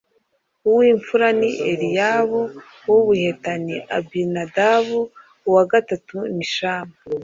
uw’imfura ni Eliyabu, uw’ubuheta ni Abinadabu, uwa gatatu ni Shama.